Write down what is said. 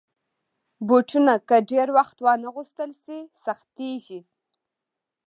بوټونه که ډېر وخته وانهغوستل شي، سختېږي.